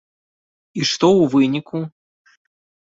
І што ў выніку?